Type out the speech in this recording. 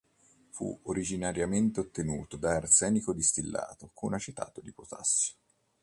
Fu originariamente ottenuto da arsenico distillato con acetato di potassio.